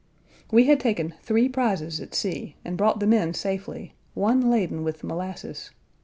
We had taken three prizes at sea, and brought them in safely, one laden with molasses.